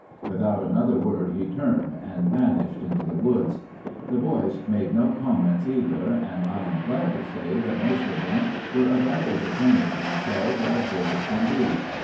Without another word he turned and vanished into the woods. The boys made no comments, either, and I am glad to say that most of them were about as ashamed of themselves as boys can be.